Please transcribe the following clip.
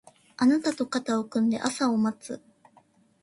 あなたと肩を組んで朝を待つ